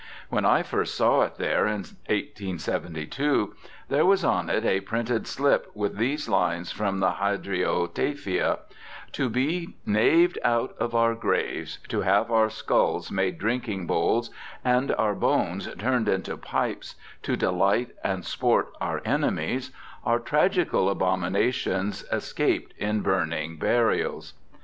SIR THOMAS BROWNE 271 When I first saw it there in 1872 there was on it a printed slip with these Hnes from the Hydriotaphia :' To be knaved out of our graves, to have our skulls made drin king bowls, and our bones turned into pipes, to delight and sport our enemies, are tragical abomina tions escaped in burning burials.'